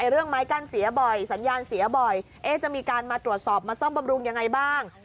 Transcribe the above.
เรื่องไม้กั้นเสียบ่อยสัญญาณเสียบ่อยจะมีการมาตรวจสอบมาซ่อมบำรุงยังไงบ้าง